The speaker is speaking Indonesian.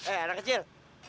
eh anak kecil